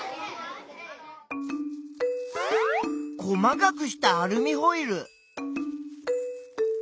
細かくしたアルミホイル。